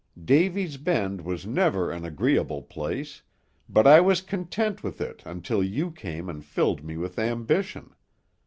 Davy's Bend was never an agreeable place, but I was content with it until you came and filled me with ambition.